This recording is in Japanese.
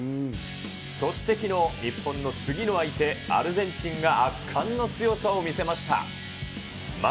そしてきのう、日本の次の相手、アルゼンチンが圧巻の強さを見せました。